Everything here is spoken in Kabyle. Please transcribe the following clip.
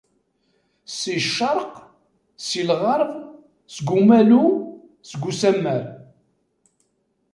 Si ccerq, si lɣerb, seg umalu, seg usammar.